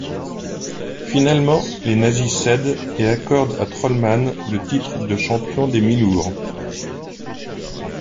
Finalement, les nazis cèdent et accordent à Trollman le titre de champion des mi-lourds.